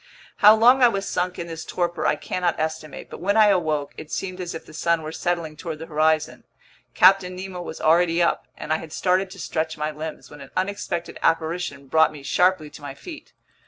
How long I was sunk in this torpor I cannot estimate; but when I awoke, it seemed as if the sun were settling toward the horizon. Captain Nemo was already up, and I had started to stretch my limbs, when an unexpected apparition brought me sharply to my feet.